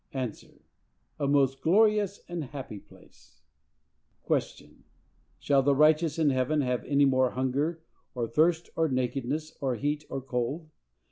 —A. A most glorious and happy place. Q. Shall the righteous in heaven have any more hunger, or thirst, or nakedness, or heat, or cold?